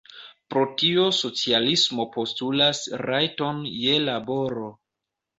Pro tio socialismo postulas rajton je laboro.